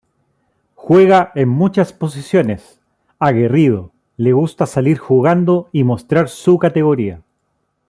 Juega en muchas posiciones. Aguerrido, le gusta salir jugando y mostrar su categoría.